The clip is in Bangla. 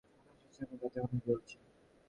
মনে হচ্ছে আমার দাঁত এখনও জ্বলছে।